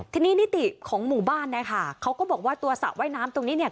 ทีนี้นิติของหมู่บ้านนะคะเขาก็บอกว่าตัวสระว่ายน้ำตรงนี้เนี่ย